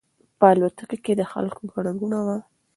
په الوتکه کې د خلکو ګڼه ګوڼه وه.